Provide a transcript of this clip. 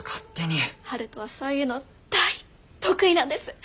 春風はそういうの大得意なんです！